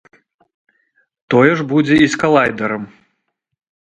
Тое ж будзе і з калайдарам.